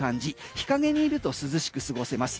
日陰にいると涼しく過ごせます。